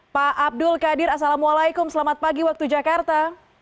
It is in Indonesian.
pak abdul qadir assalamualaikum selamat pagi waktu jakarta